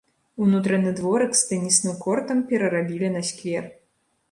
Унутраны дворык з тэнісным кортам перарабілі на сквер.